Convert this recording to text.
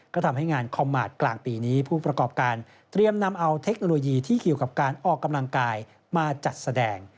ก็ทำให้งานคอมมาตรกลางปีนี้ผู้ประกอบการเตรียมนำเอาเทคโนโลยีที่เกี่ยวกับการออกกำลังกายมาจัดแสดง